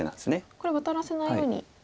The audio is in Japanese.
これワタらせないように１線。